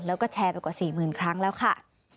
แล้วก็แชร์ไปกว่า๔๐๐๐ครั้งแล้วค่ะ